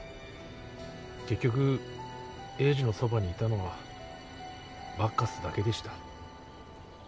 結局栄治のそばにいたのはバッカスだけでした。